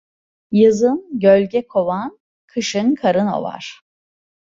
Yazın gölge kovan, kışın karın ovar.